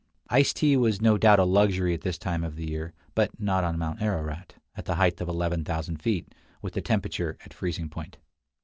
Ice tea was no doubt a luxury at this time of the year, but not on Mount Ararat, at the height of eleven thousand feet, with the temperature at freezing point.